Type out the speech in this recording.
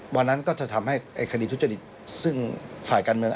วันนั้นก็จะทำให้คดีทุจริตซึ่งฝ่ายการเมือง